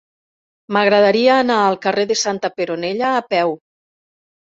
M'agradaria anar al carrer de Santa Peronella a peu.